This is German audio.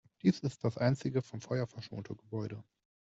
Dies ist das einzige vom Feuer verschonte Gebäude.